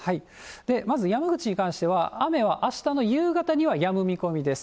まず、山口に関しましては雨はあしたの夕方にはやむ見込みです。